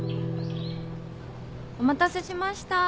・お待たせしました。